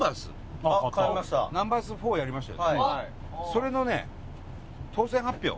それのね当せん発表。